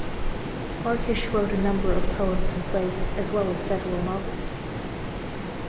Markish wrote a number of poems and plays, as well as several novels.